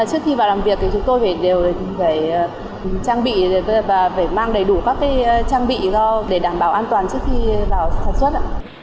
trước khi vào làm việc thì chúng tôi phải đều trang bị và phải mang đầy đủ các trang bị cho để đảm bảo an toàn trước khi vào sản xuất